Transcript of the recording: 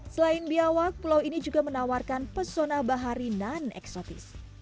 selain biawak pulau ini juga menawarkan pesona bahari non eksotis